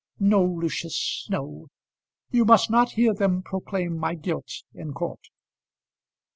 "No, Lucius, no; you must not hear them proclaim my guilt in court."